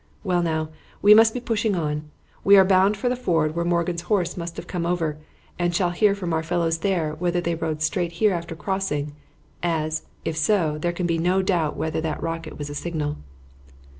Well, now, we must be pushing on. We are bound for the ford where Morgan's horse must have come over, and shall hear from our fellows there whether they rode straight here after crossing, as, if so, there can be no doubt whatever that the rocket was a signal."